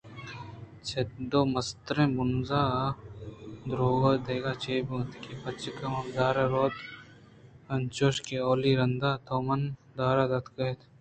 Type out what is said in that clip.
چد و مستریں ہُنر ءُدرٛوگ دگہ چے بیت؟ اے بچک ءَ ہم رد وارت انچوش کہ اولی رند ءَ تو منءَ رد داتگ ات